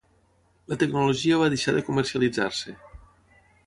La tecnologia va deixar de comercialitzar-se.